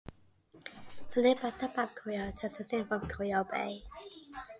The nearby suburb of Corio takes its name from Corio Bay.